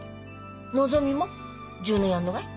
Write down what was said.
のぞみも１０年やんのかい？